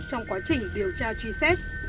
trong quá trình điều tra truy xét